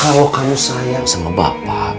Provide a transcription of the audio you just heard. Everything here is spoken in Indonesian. kalau kamu sayang sama bapak